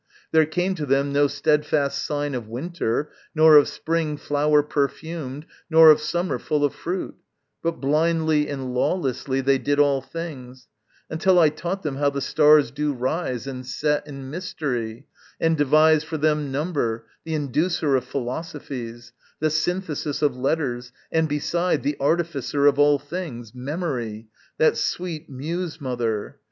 There, came to them No steadfast sign of winter, nor of spring Flower perfumed, nor of summer full of fruit, But blindly and lawlessly they did all things, Until I taught them how the stars do rise And set in mystery, and devised for them Number, the inducer of philosophies, The synthesis of Letters, and, beside, The artificer of all things, Memory, That sweet Muse mother.